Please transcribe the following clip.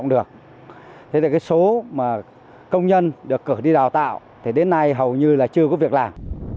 nên số công nhân được cửa đi đào tạo đến nay hầu như chưa có việc làm